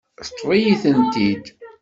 Teṭṭef-iyi-tent-id.